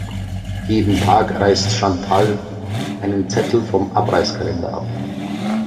Jeden Tag reißt Chantal einen Zettel vom Abreißkalender ab.